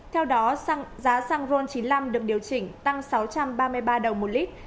theo đó giá xăng ron chín mươi năm được điều chỉnh tăng sáu trăm ba mươi ba đồng một lít